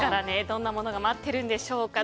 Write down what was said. どんなものが待ってるんでしょうか